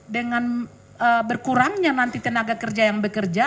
dengan berkurangnya nanti tenaga kerja yang bekerja